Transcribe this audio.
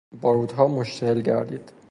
باروتها مشتعل گردید.